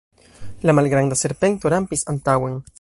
La malgranda serpento rampis antaŭen.